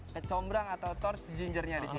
kecombrang atau torch gingernya disini